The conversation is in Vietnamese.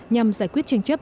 nhằm giải quyết tranh chấp